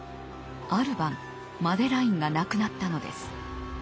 ある晩マデラインが亡くなったのです。